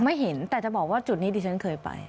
ไม่เห็นแต่จะบอกว่าจุดนี้ดิฉันเคยไป